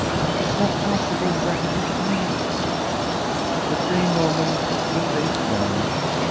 It is not possible that it is he!' The same moment the face vanished.